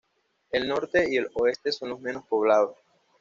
El norte y el oeste son los menos poblados.